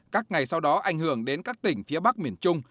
các ngày sau đó ảnh hưởng đến các tỉnh phía bắc miền trung